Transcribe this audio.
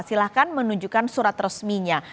silahkan menunjukkan surat resminya